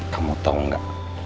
kamu tau nggak